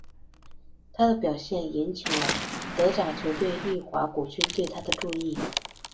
他的表现引起了德甲球队利华古逊对他的注意。